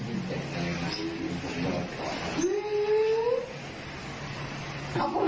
มึงเอาพูดมาค่ะทำไม